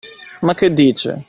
Ma che dice!